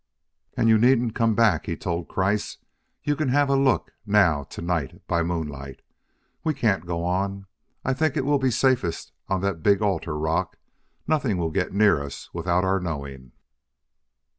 "And you needn't come back," he told Kreiss; "you can have a look now, to night, by moonlight. We can't go on. I think we'll be safest on that big altar rock; nothing will get near us without our knowing."